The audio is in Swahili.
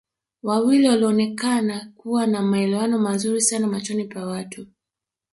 Wawili walioonekana kuwa na maelewano mazuri sana machoni pa watu